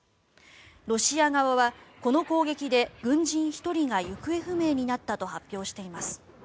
ロシア側は、この攻撃で軍人１人が行方不明になったと発表しています。